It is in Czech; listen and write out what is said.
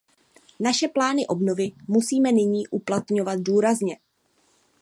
Naše plány obnovy musíme nyní uplatňovat důrazně.